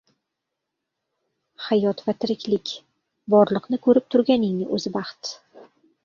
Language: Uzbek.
Hayot va tiriklik, borliqni ko‘rib turganingning o‘zi baxt.